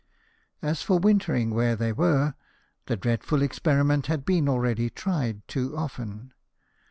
As for wintering where they were, that dreadful experiment had been already tried too often.